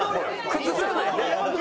崩さないね。